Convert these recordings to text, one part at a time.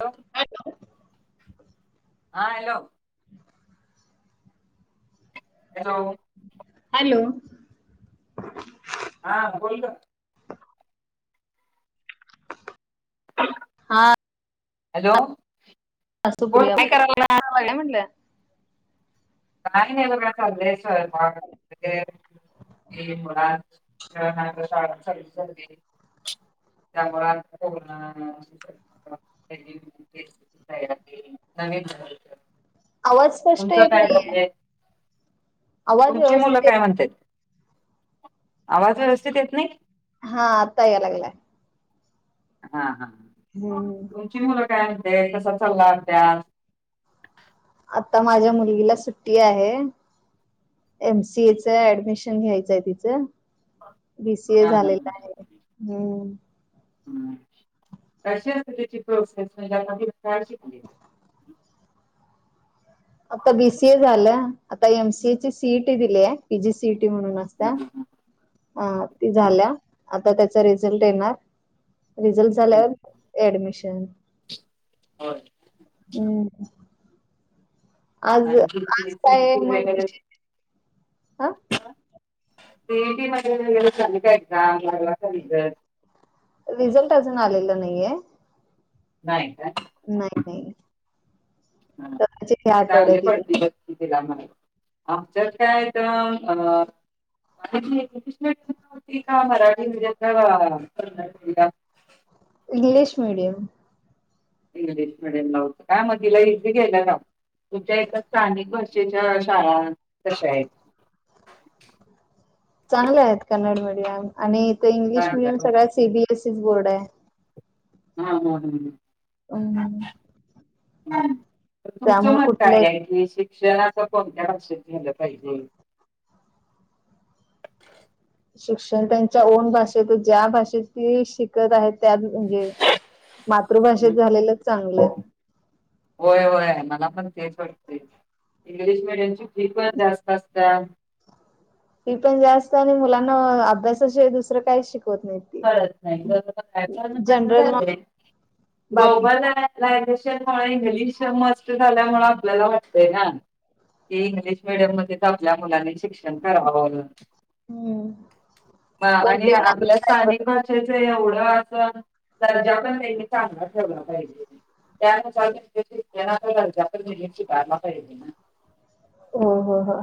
हा hello? Hello, hello! हा बोलल ग, हा, हॅलो! बोल सुप्रिया की [unintelligible] का नाही बघा चाल आहे स्वैपाक, ते मुलांची ना शाळा चालू झाली, त्यामुळे [unintelligible] [unintelligible] नवीन आवाज स्पष्ट तुमचं येत नाहीये कायचलय, आवाज तुमची मुलं व्यवस्थित काय येत म्हणतेत, आवाज व्यवस्थित येत नाही. हा आत्ताय लागला, हा हा हम्म तुमची मुलं, काय म्हणतात, कसा चालला अभ्यास, आता माझ्या मुलगीला सुट्टी आहे. एमसीएच ऍडमिशन घ्यायचंय तिचं, बीसीए हा हा झालेला आहे हम्म. हम्म, अशी असते त्याची प्रोसेस [unintelligible] आता बीसीए झालं आता एमसीए ची सीईटी दिली आहे त्याची सीट म्हणून असत्या ती झाल्या आता त्याचा रिझल्ट येणार रिझल्ट झाल्यावर ऍडमिशन आणि हम्म आज आज सीईटी काय मग वगैरे विशेष आ ते झाली का एक्झाम लागला का रिझल्ट रिझल्ट अजून आलेला नाहीये नाही काय नाही नाही हम्म स्वतःचे ह्या आठवड्यात चांगले येईल. पडतील बग की तीला आणि मला आमच्यात काय मग [unintelligible] ह इंग्लिश मीडियम इंग्लिश मीडयम ला होत काय मग तीला इसी घ्यायला लाव तुमच्या एका स्थानिक भाषेच्या शाळा कशा आहेत [inaudible] चांगले आहेत कन्नड मीडियम आणि इथ इंग्लिश चांगल्या मिडियम सगळ्यात सीबीएसईच बोर्ड आहे हम्म हम्म हम्म हम्म तुमचं मत काय आहे की शिक्षणाच कोणत्या भाषेत झालं पाहिजे शिक्षण त्यांच्या ओन भाषेत ज्या भाषेत ती शिकत आहेत त्याच म्हणजे मातृभाषेत हं? झालेलंच चांगलं होय होय मला पण तेच वाटतंय इंग्लिश मिडियमची फी पण जास्त असतय तफी पण जास्त आणि मुलांना अभ्यासाशिवाय दुसरं काय शिक कळत नाही‌ बरोबर जनरल नॉ आहे बाकी ग्लोबल ला ऍडमिशन इंग्लिश मस्त झाल्यामुळे आपल्याला वाटतय ना ते इंग्लिश मिडियम मध्ये आपल्या मुलांनी शिक्षण कराव हम्म पण आणि ते नाही आपल स्थानिक भाषेच एवढं असन राजा पण त्यां चांगला ठेवला पाहिजे त्या [unintelligible] हो हो हो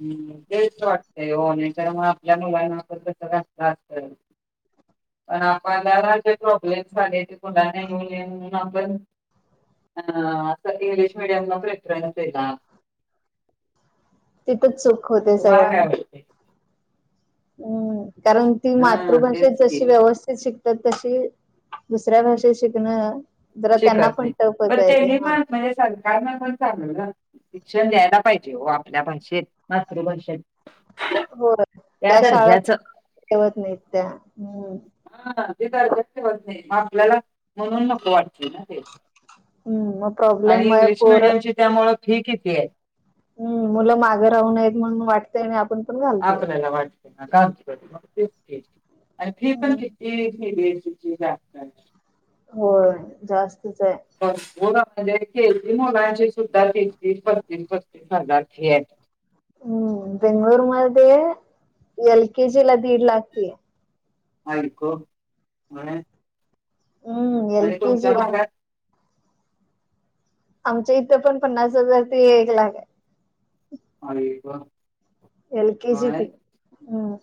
हम्म तेच वाटतंय हो नाही तर मग आपल्या मुलांना तर कस असत [inaudible] पण आपल्याला जे प्रॉब्लेम झाले ते मुलांना येऊ नये म्हणून आपण अ अस इंग्लिश मिडियमला प्रेफरन्स दिला तिथंचच सुख होते तुम्हाला सगळ्यांना काय वाटते? हम्म कारण ती हा तेच मातृभाषेत की जशी व्यवस्थित शिक तर तशी दुसऱ्या भाषेत शिकणं जरा त्यांना शिकत पण नाही टफच पण आहे ते त्यांनी हा पण म्हणजे सांग कारण आपण चांगलं शिक्षण द्यायला पाहिजे हो आपल्या भाषेत मातृभाषेत. होय त्या शाळत ठेवत नाहीत त्या हम्. क्तीत नाही मग आपल्याला म्हणून नको वाट. हम्म मग प्रॉब्लेम आणि मुळे इंग्लिश मिडियमची त्यामुळं फी किती आहे. हम् मुलं माघं राहूनय म्हणून वाटतय आणि आपण. पण घालतोय. आपल्याला वाटते ना गांीी पण असत हम्म हो जास्त. बर बोला. म्हणजे खती मुलांची सुद्धा कती पस्तीस पस्तीस पदारथी आहेत. हम्म बेंगलुर मध्ये एल केेजी ला दीड लागतेय. आको अणे [unintelligible] हम्म एल आणी के तुमच्या जी ला भागात. आमच्या इथं पण पन्नास हजार ते एक लाख आहे [unintelligible] एल केेजी पी हम्म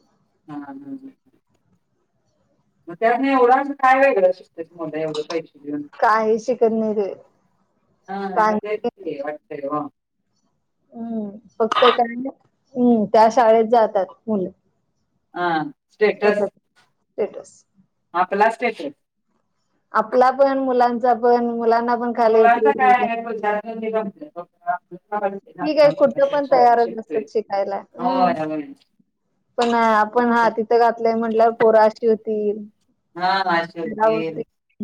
हम्म मग त्या एवढं काय वेगळं शिकत मुल एवढे पैशे काही शिकत नाही ते हा मग काही तेच की हम्म फक्त काय हम्म त्या शाळेत जातात मुलं. हा. स्टेटस. पला सटेत. आपला पण मुलांचा पण. मुलांना पण खाली मुलांच उतरू काय आहे तु अजूनघ. ठीक आहे कुठे पण तयारच शिकतोय. असतात शिकायला हम्म. होय, होय. पण आपण हा तिथं घातलंय म्हंटल्या पोराशी होती. हा अश होती.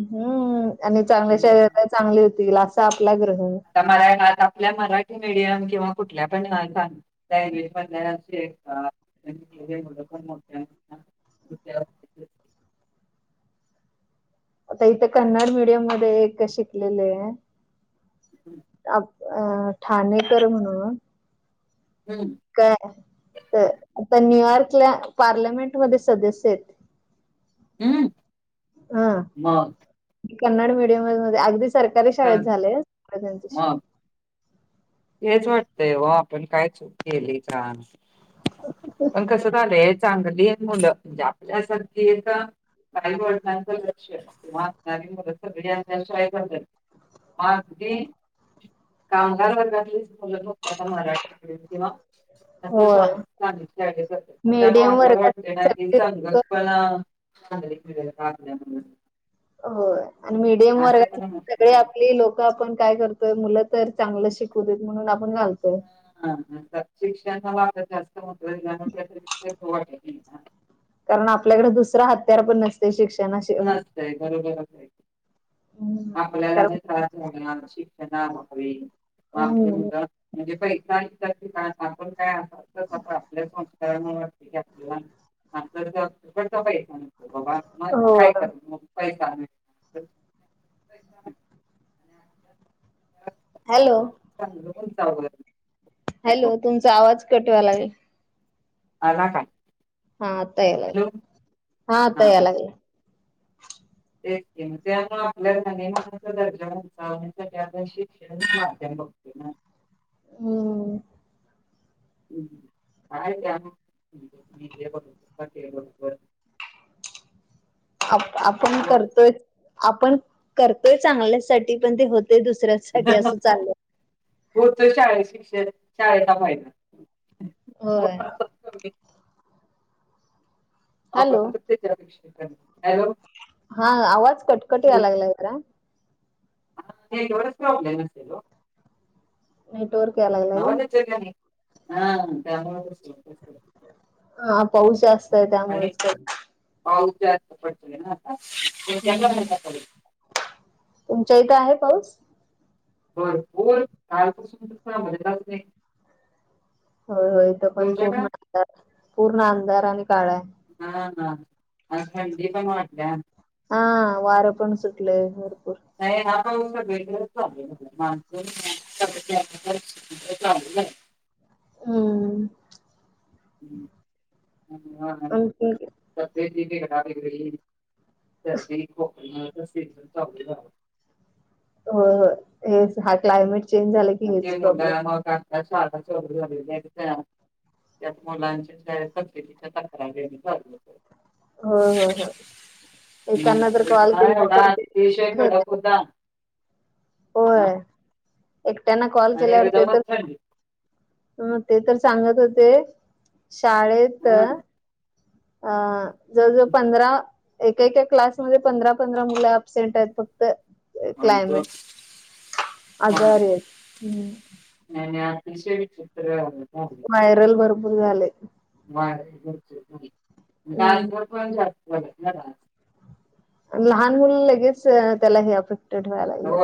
हम्म आणि चांगल्या शरीराला चांगले होतील असा आपला ग्रं आता मराात आपल्या मराठी मीडियम किंवा कुठल्या पण घ. लँग्वेज म्हणची. पण मोठ. आता इथे कन्नड मीडियम मध्ये एक शिकलेले आहे. अ ठाणेकर म्हणून. हम्म, काय तर. आता न्यूयॉर्क ला पार्लमेंटमध्येध्ये सदस्य आहेत. हम् हा म. कन्नड मीडियम म अगदी सरकारी शाळेत कण- झाले त्यांच्या. वाट आपण काय केली छान पण कस झालय. चांगली आहे मुलं म्हणजे आपल्यासारखी ए का. आई वटनांचं लक्ष सगश बदल. अगदी कामगार वत. त होत मराठी किंवा. ह. त्यामुळे मीडियम वर्गात आपल्याॉटे सगळी लोक संघर्ष पणा [unintelligible] अ लण [unintelligible] हो आणि मीडियम वर्गात म्हणत सगळे नाही. आपली लोक आपण काय करतोय मुलं तर. चांगलं शिकू देत म्हणून आपण घाल. ह हा ह शिक. जास्ट कारण आपल्याकडे दुसरा हत्यार पण नसते शिक्षण. नसतय बरोबरच आपल्याला जे कारण त्रास झाला आमची. मा मु हम्म म्हणजे प आपण काय [unintelligible] आपल्या संस्कारा आप पण [unintelligible] हो बाबा मग हो काय कर मग पै चाले हॅलो ांग हॅलो तुमचा आवाज कटवा लागेल अला काय हा आतायलाग हॅलो हातायलागल तेग त्यामु आपल्यालामानाचा दर्जा चाण्यासाठी आपण शिक्षण माध्यम बत हम्म ह बरो बरोबर [inaudible] आपण मस्त वाट करतोय आपण करतोय चांगल्यासाठी पण ते होत. ते दुसऱ्यासाठीठी असं चाललं. होत शाळेत शिक्षण शाळेचा फायदा हो. होय. अ हॅलो हॅलो [unintelligible] हा आवाज कटकटी यायलाय जरा नेटवर्क प्रॉब्लेम असेल नेटवर्क याय लागलाय काय? त गणी ह [unintelligible] हा पाऊस जास्त आहे आणि त्यामुळेच पाऊस जास्त पडत ना आता हम्म त्याल तुमच्या इथं आहे पाऊस बरपूर कालपासून मजलाच नाही हो हो इथ पण पूर्ण तुमच्याकडे पूर्ण अंधार आणि काळा आहे हा हा खंदीप माट हा वारपण सुटल नाहीय हा हे चाले मा चाले हम ह हब आणखी घरा तरदी कोकणी से चा हो हे हा क्लायमेट चेंज झाला की हेच प्रॉब्लेम शारदा चौधरी झालेली आहे त्यात मुलांच्याेती आ खराब हा हम हा एांना ज आहेत कॉल हा एवढा केलींतर अतिशय कडक होता हा एकट्याना कॉल आणि केल्यावर एकदमच तर थंडी ह ते तर सांगत होते शाळेत हा अ जवळ जवळ पंधरा एका एका क्लासमध्येध्ये पंधरा पंधरा मुलं अबसेंट आहेत फक्त आणि तो- क्लायमेट आजारी मग- आहेत हम् कशे वि चित्र व्हायरल भरपूर झाले वा हम्म लहान मुलं लगेच त्याला हे अफेक्टेड व्हाय लागलं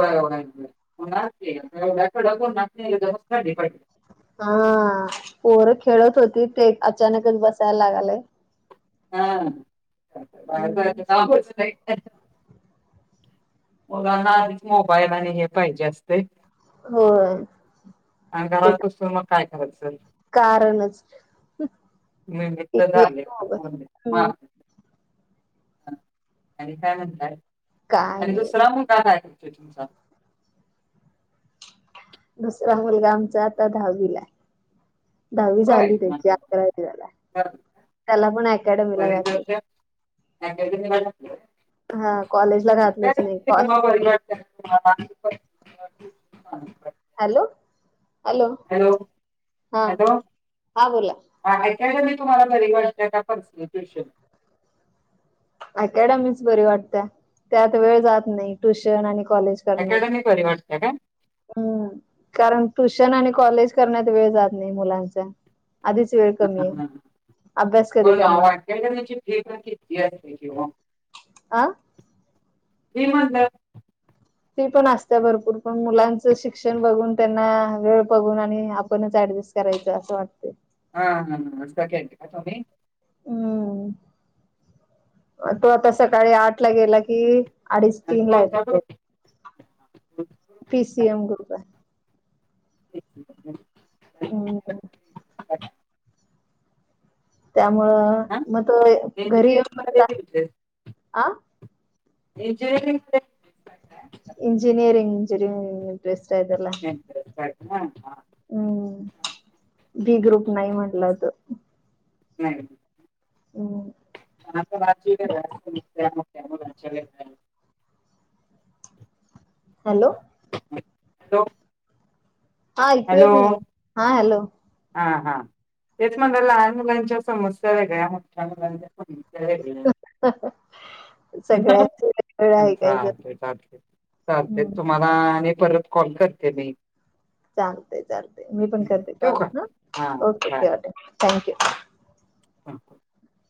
ाकूनवस् हा पोर खेळत होती ते अचानकच बसायला लागलय हम्म हा मुगांना आधीच मोबाईल आणि हे पाहिजे असते होय ते आणि तर घरातसून मग, काय करायचं. कारणच, [unintelligible] तर टीव्ही झाले मोबाईल. [unintelligible] हम्म आणि काय म्हणतातय, काय आणि नाही दुसला मुलगा का काय करतोय तुमचा? दुसरा मुलगा आमचा आता दहावीला, दहावी होय झाली हां, त्याची, हां. अकरावी झाला, बरं. त्याला पण मग अकॅडमीला घातली, रिझल्टच्या अकॅडमी माझा, हा कॉलेजला घातलंच नाही कॉ [unintelligible] आणि काय, हॅलो हॅलो हा हॅलो हा बोला ह मी तुम्हाला घरी वाटलं का पस ट्युशन अकॅडमीच बरी वाटत त्या आत वेळ जात नाही ट्युशन आणि कॉज करण्यात, अकॅडमी बरी वाटते काय? कारण टुशन आणि कॉलेज करण्यात वेळ जात नाही मुलांच, ह अभ्यास कधी ह ना करणार वाट त्याची भीक किती, वाटत की ओ, आं ही म्हटलं, ती पण असत भरपूर पण मुलांच शिक्षण बघून, त्यांना वेळ बघून आणि आपण करायच असं वाटत, हा हा हखट का तुम्ही, हम्म तो आता, सकाळी आठ ला गेला कि, अडीच आणि तीन ला कोणता येतोय, ग्रुप? [unintelligible] पी सीएम ग्रुप आहे, [unintelligible] हम्, त्यामुळं हा मग त घरी इंजिनिअरिंग मध्ये येऊन अ, इंजिनीरिंग, इंजिनीरींग इंजिरींग इंट्रेस्ट आहे तेला, आहे हा हा, हम्म बी ग्रुप नाही म्हटलं तर, नाही, हम आता [unintelligible] हॅलो! हॅलो, हा ऐकू येत हॅलो नाही हा हॅलो, हा हा तेच म्हणा लहान मुलांच्या समस्या वेगळ्या मोठ, मुलांच्या वेगळा, सगळ्या, चालत चालते चालते, हम्म तुम्हाला आणि परत कॉल करते मी, चालते चालत मी पण करते ठेवू कॉल का हा, ओके ओके ठेवा, थँक्यू, [unintelligible]